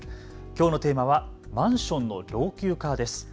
きょうのテーマはマンションの老朽化です。